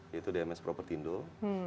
yaitu dms property indul